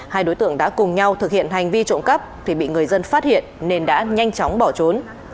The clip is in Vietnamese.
hai đối tượng đã cùng nhau thực hiện hành vi trộm cắp thì bị người dân phát hiện nên đã nhanh chóng bỏ trốn